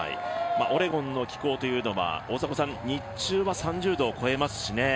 オレゴンの気候というのは日中は３０度を超えますしね。